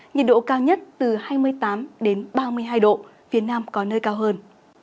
nhiệt độ cao nhất từ hai mươi tám ba mươi hai độ phía nam có nơi cao hơn